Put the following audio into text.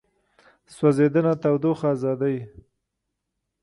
سوځېدنه تودوخه ازادوي.